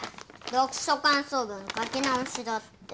読書感想文書き直しだって。